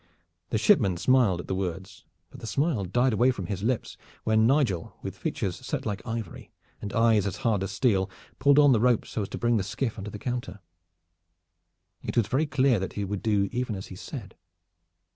The shipman smiled at the words; but the smile died away from his lips when Nigel, with features set like ivory and eyes as hard as steel, pulled on the rope so as to bring the skiff under the counter. It was very clear that he would do even as he said.